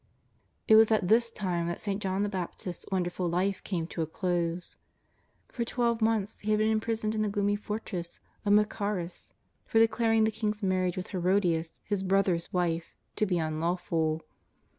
It was at this time that St. John the Baptist's won* derful life came to a close. For tw^elve months he had been imprisoned in the gloomy fortress of Machaerus for declaring the king's marriage wdth Herodias, his brother's wife, to be imlawful.